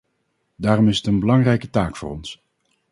Daarom is het een belangrijke taak voor ons.